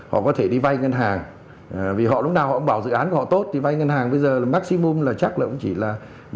họ có thể đi vay ngân hàng vì họ lúc nào họ ông bảo dự án của họ tốt thì vay ngân hàng bây giờ là maxim bum là chắc là cũng chỉ là